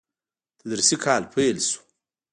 تدريسي کال پيل شو.